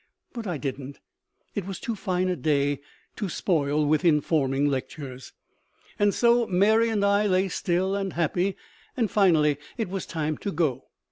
But I didn't. It was too fine a day to spoil with informing lectures. And so Mary and I lay still and happy. Finally it was time to go.